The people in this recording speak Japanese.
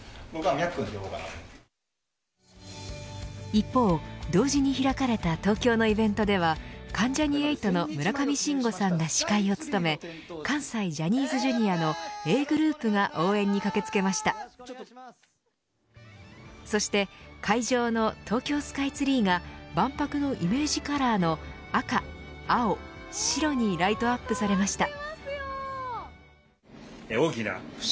一方、同時に開かれた東京のイベントでは関ジャニ∞の村上信五さんが司会を務め関西ジャニーズジュニアのＡぇ！ｇｒｏｕｐが応援に駆け付けましたそして会場の東京スカイツリーが万博のイメージカラーの赤、青、白にライトアップされました。